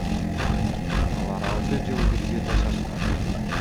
Алар алты жыл бирге жашашкан.